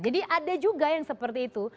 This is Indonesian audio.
jadi ada juga yang seperti itu